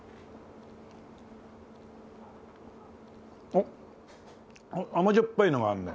おっ甘じょっぱいのがあるね。